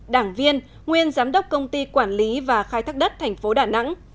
đảng viên nguyên giám đốc công ty quản lý và khai thác đất tp đà nẵng